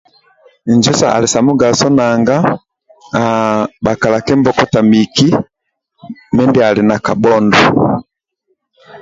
Injo ali sa mugaso nanga bhakalakimbokota miki mindia ali na kabhondo